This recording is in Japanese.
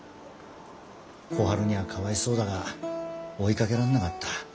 小春にはかわいそうだが追いかけられなかった。